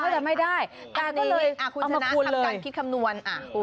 คุณชนะทำการคิดคำนวณ